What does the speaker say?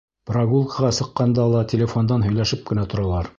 Прогулкаға сыҡҡанда ла телефондан һөйләшеп кенә торалар.